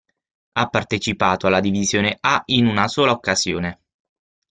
Ha partecipato alla Divisione A in una sola occasione.